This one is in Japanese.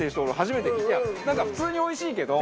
普通においしいけど。